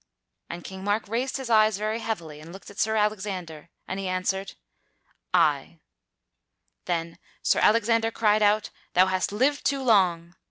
And King Mark raised his eyes very heavily and looked at Sir Alexander and he answered, "Ay!" Then Sir Alexander cried out, "Thou hast lived too long!"